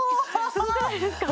すごくないですか？